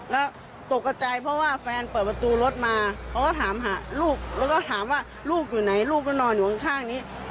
แล้วตกกระใจเพราะว่าแฟนเปิดประตูรถมาเขาก็ถามหาลูกแล้วก็ถามว่าลูกอยู่ไหนลูกก็นอนอยู่ข้างนี้